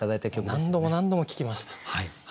何度も何度も聴きました。